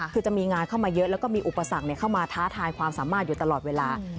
คือจะมีงานเข้ามาเยอะแล้วก็มีอุปสรรคเข้ามาท้าทายความสามารถอยู่ตลอดเวลา